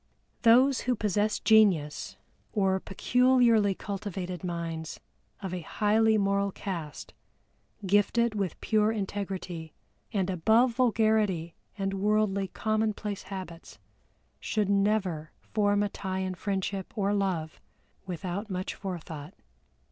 Those who possess genius or peculiarly cultivated minds of a highly moral caste, gifted with pure integrity, and above vulgarity and worldly commonplace habits, should never form a tie in friendship or love without much forethought.